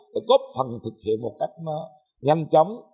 để cố phần thực hiện một cách nhanh chóng